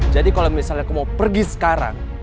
jadi kalau misalnya aku mau pergi sekarang